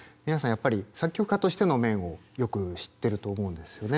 やっぱり作曲家としての面をよく知ってると思うんですよね。